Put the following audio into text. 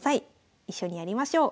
一緒にやりましょう。